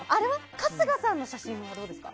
春日さんの写真はどうですか？